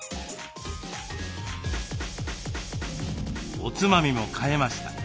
おつまみも変えました。